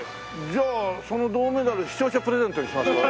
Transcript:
じゃあその銅メダル視聴者プレゼントにしますか？